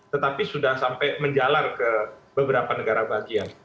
tetapi sudah sampai menjalar ke beberapa negara bagian